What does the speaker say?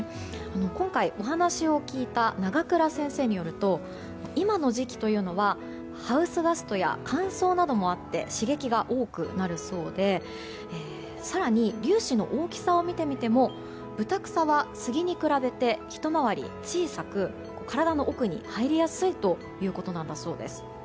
今回、お話を聞いた永倉先生によると今の時期というのはハウスダストや乾燥などもあって刺激が多くなるそうで更に、粒子の大きさを見てみてもブタクサはスギに比べてひと回り小さく体の奥に入りやすいということなんだそうです。